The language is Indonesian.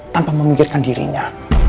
tanpa memikirkan dirinya